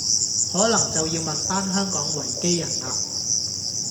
可能就要問返香港維基人喇